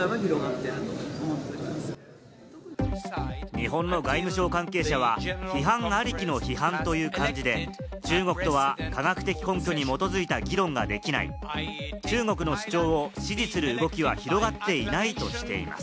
日本の外務省関係者は、批判ありきの批判という感じで中国とは科学的根拠に基づいた議論ができない、中国の主張を支持する動きは広がっていないとしています。